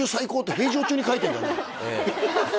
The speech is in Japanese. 平城中に書いてんだね